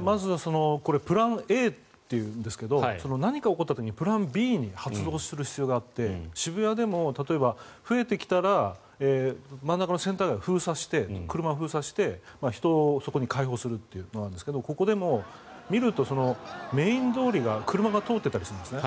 まずはプランＡというんですけど何か起こった時にプランＢを発動する必要があって渋谷でも、例えば増えてきたら真ん中のセンター街を封鎖して車を封鎖して、人を外に開放するということなんですがここでも見ると、メイン通りが車が通っていたりするんですね。